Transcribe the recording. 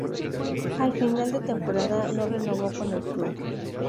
Al final de temporada no renovó con el club.